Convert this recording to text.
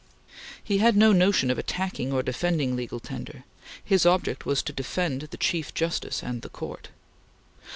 He had no notion of attacking or defending Legal Tender; his object was to defend the Chief Justice and the Court.